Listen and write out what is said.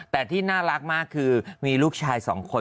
แต่ที่น่ารักมากคือมีลูกชายสองคน